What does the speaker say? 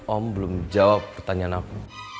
om belum jawab pertanyaan aku